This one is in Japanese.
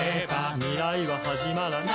「未来ははじまらない」